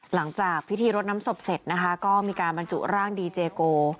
หลังจากพิธีรดน้ำศพเสร็จนะคะก็มีการบรรจุร่างดีเจโก